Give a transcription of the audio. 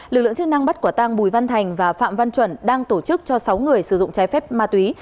lực lượng chức năng bắt quả tăng bùi văn thành và phạm văn chuẩn đang tổ chức cho sáu người sử dụng trái phép ma túy